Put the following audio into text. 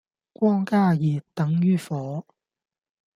光加熱,等於火